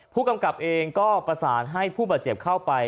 ผู้กำกับเองก็ประสานให้ผู้บาดเจ็บเข้าไป